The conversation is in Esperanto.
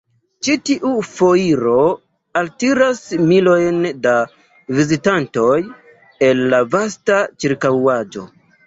Ĉi tiu foiro altiras milojn da vizitantoj el la vasta ĉirkaŭaĵo.